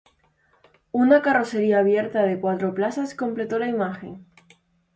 Una carrocería abierta de cuatro plazas completó la imagen.